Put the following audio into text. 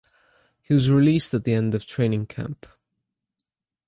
He was released at the end of training camp.